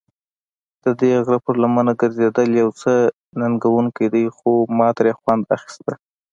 ددې غره پر لمنه ګرځېدل یو څه ننګوونکی دی، خو ما ترې خوند اخیسته.